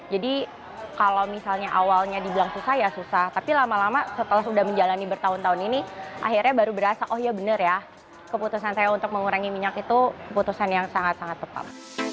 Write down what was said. jadi kalau misalnya awalnya dibilang susah ya susah tapi lama lama setelah sudah menjalani bertahun tahun ini akhirnya baru berasa oh iya benar ya keputusan saya untuk mengurangi minyak itu keputusan yang sangat sangat tepat